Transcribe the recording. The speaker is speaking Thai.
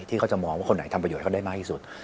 เขาจะมองว่าคนไหนทำประโยชน์เขาได้มากที่สุด